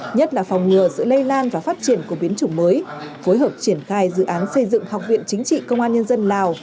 nhất là phòng ngừa sự lây lan và phát triển của biến chủng mới phối hợp triển khai dự án xây dựng học viện chính trị công an nhân dân lào